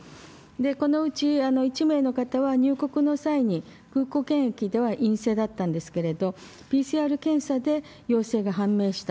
このうち１名の方は入国の際に空港検疫では陰性だったんですけれども、ＰＣＲ検査で陽性が判明した。